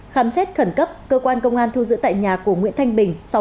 khám xét khẩn cấp cơ quan công an thu giữ tại nhà của nguyễn thanh bình